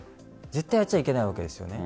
絶対やっちゃいけないわけです。